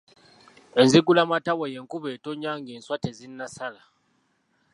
Enzigula mattabo y’enkuba etonnya ng’enswa tezinnasala.